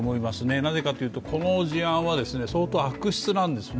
なぜかというとこの事案は相当悪質なんですね